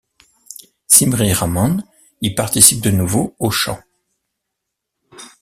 Simri-Ramon y participe de nouveau au chant.